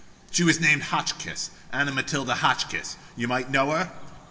She was named Hotchkiss Anna Matilda Hotchkiss you might know her?